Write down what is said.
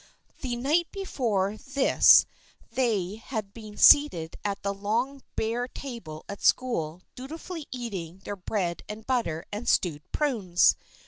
The night before this they had been seated at the long bare table at school dutifully eating their bread and butter and stewed prunes.